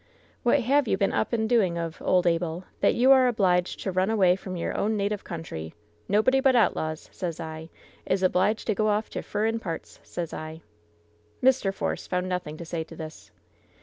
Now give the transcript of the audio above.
"What have you been up and doing of, old Abel, that you are obliged to run away from your own native coun try ? Nobody but outlaws, sez I, is obliged to go off to f urrin parts, sez I !" Mr. Force found nothing to say to this.